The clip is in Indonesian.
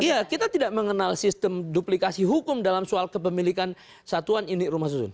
iya kita tidak mengenal sistem duplikasi hukum dalam soal kepemilikan satuan ini rumah susun